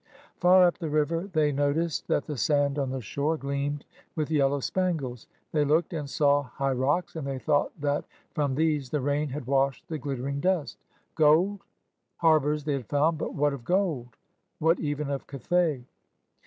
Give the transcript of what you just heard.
Far up the river, they noticed that the sand on the shore gleamed with yellow spangles. They looked and saw high rocks, and they thought that from these the rain had washed the glittering dust. Gold? Harbors they had foimd — but what of gold? What, even, of Cathay?